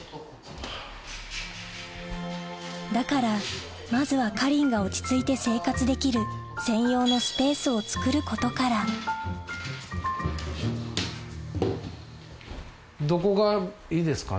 だからまずはかりんが落ち着いて生活できる専用のスペースをつくることからどこがいいですかね？